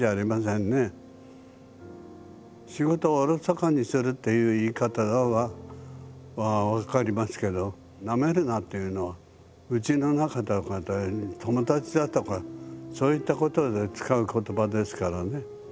仕事をおろそかにするっていう言い方は分かりますけど「ナメるな」というのはうちの中とかで友達だとかそういったことで使うことばですからね。